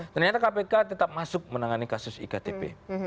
ternyata kpk tetap masuk menangani kasus iktp